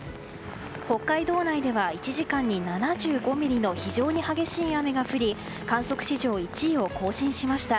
北海道内では１時間に７５ミリの非常に激しい雨が降り観測史上１位を更新しました。